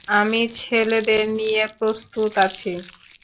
আমি ছেলেদের নিয়ে প্রস্তুত আছি।